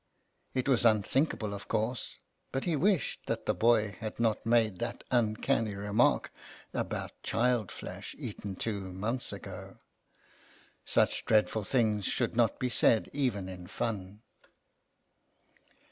It was unthink able, of course, but he wished that the boy t I GABRIEL ERNEST 53 had not made that uncanny remark about child flesh eaten two months ago. Such dreadful things should not be said even in fun.